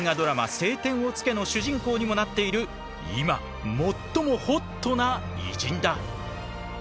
「青天を衝け」の主人公にもなっている今最もホットな偉人だ。